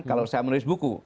kalau saya menulis buku